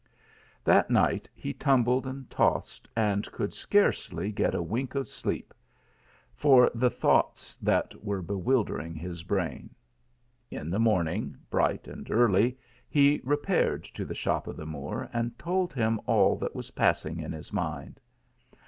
That night he tumbled and tossed, and could scarcely get a wink of sleep for the thoughts that were bewildering his brain. In the morning, bright and early, he repaired to the shop of the Moor, and told him all that was passing in his mind.